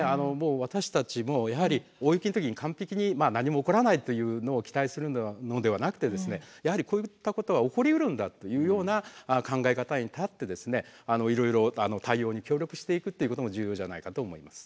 私たちもやはり大雪の時に完璧に何も起こらないというのを期待するのではなくてやはりこういったことが起こりうるんだというような考え方に立っていろいろ対応に協力していくっていうことも重要じゃないかと思います。